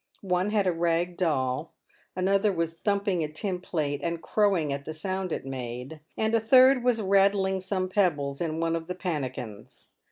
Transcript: One had a rag doll ; another was thumping a tin plate, and crowing at the sound it made ; and a third was rattling some pebbles in one of the pannikins.